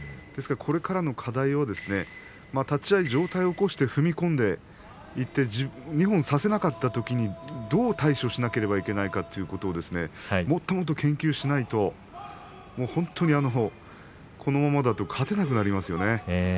これからの課題は立ち合いは上体を起こして踏み込んでいって二本差せなかったときにどう対処しなければいけないかということをもっともっと研究しないと本当にこのままだと勝てなくなりますよ